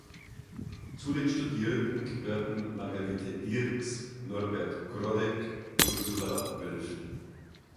Zu den Studierenden gehörten Margarete Dierks, Norbert Groddeck, Ursula Wölfel.